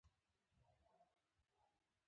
یوازې څو تنه نارینه مې ولیدل.